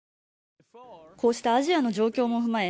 こうしたアジアの状況も踏まえ